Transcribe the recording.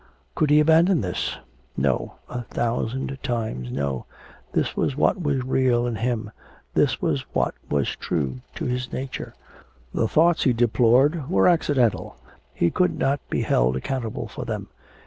Could he abandon this? No, a thousand times no. This was what was real in him, this was what was true to his nature. The thoughts he deplored were accidental. He could not be held accountable for them.